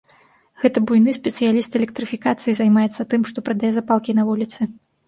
Гэты буйны спецыяліст электрыфікацыі займаецца тым, што прадае запалкі на вуліцы.